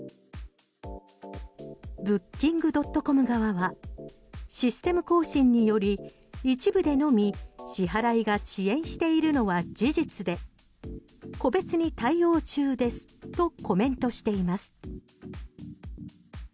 ブッキングドットコム側はシステム更新により一部でのみ支払いが遅延しているのは事実で個別に対応中ですとコメントしています。